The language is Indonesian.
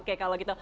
oke kalau gitu